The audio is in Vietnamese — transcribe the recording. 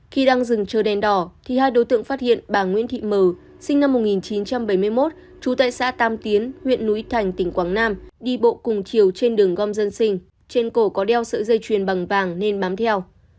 khi đang dừng chờ đèn đỏ thì hai đối tượng phát hiện bà nguyễn thị mờ sinh năm một nghìn chín trăm bảy mươi một trú tại xã tam tiến huyện núi thành tỉnh quảng nam đi bộ cùng chiều trên đường gom dân sinh trên cổ có đeo sợi dây chuyền bằng vàng nên bám theo